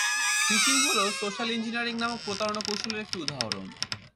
Fishing হলো social engineering নামক প্রতারণা কৌশলের একটি উদাহরণ।